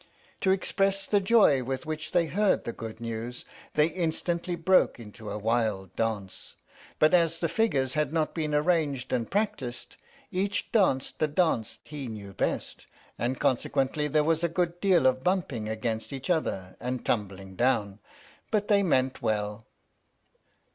To express the joy with which they heard the good news, they instantly broke into a wild dance, but as the figures had not been arranged and practised, each danced the dance he knew best, and consequently there was a good deal of bumping against each other and tumbling down, but they meant well.